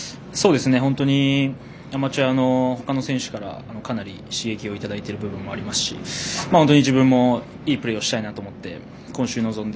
本当にアマチュアのほかの選手からもかなり刺激をいただいている部分もありますし自分もいいプレーをしたいと思って今週に臨んで。